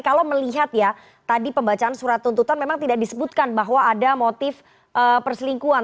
kalau melihat ya tadi pembacaan surat tuntutan memang tidak disebutkan bahwa ada motif perselingkuhan